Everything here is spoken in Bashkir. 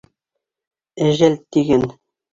Әжәл тигән